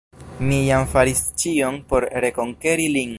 Mi jam faris ĉion por rekonkeri lin.